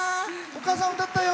お母さん歌ったよ！